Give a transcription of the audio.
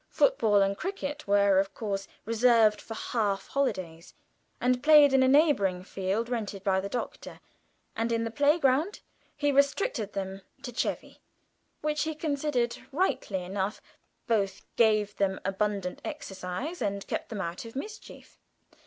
Football and cricket were of course reserved for half holidays, and played in a neighbouring field rented by the Doctor, and in the playground he restricted them to "chevy," which he considered, rightly enough, both gave them abundant exercise and kept them out of mischief.